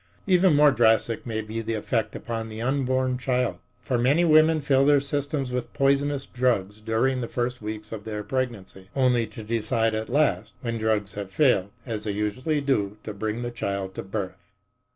Even more drastic may be the effect upon the unborn child, for many women fill their systems with poisonous drugs during the first weeks of their pregnancy, only to decide at last, when drugs have failed, as they usually do, to bring the child to birth.